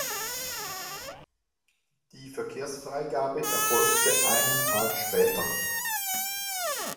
Die Verkehrsfreigabe erfolgte einen Tag später.